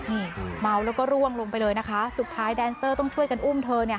นี่เมาแล้วก็ร่วงลงไปเลยนะคะสุดท้ายแดนเซอร์ต้องช่วยกันอุ้มเธอเนี่ย